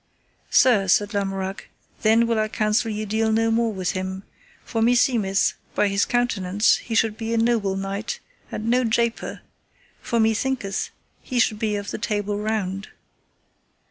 Sir, said Lamorak, then will I counsel you deal no more with him, for meseemeth by his countenance he should be a noble knight, and no japer; for methinketh he should be of the Table Round.